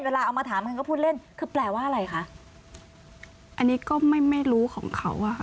เวลาเอามาถามกันก็พูดเล่นคือแปลว่าอะไรคะอันนี้ก็ไม่ไม่รู้ของเขาอ่ะค่ะ